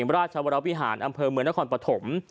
เวียนราชวรรวพิหารอำเภอเมืองและหน้าภร์ปฐม